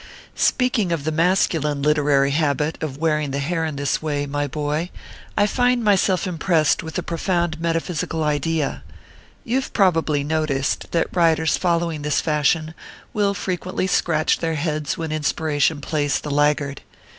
Speaking of the masculine literary habit of wearing the hair in this way, my boy, I find myself impressed with a profound metaphysical idea. You have prob ably noticed that writers following this fashion will frequently scratch their heads when inspiration plays the laggard.